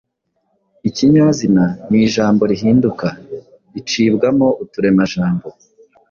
Ikinyazina ni ijambo rihinduka, ricibwamo uturemajambo.